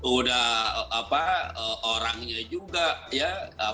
udah orangnya juga ya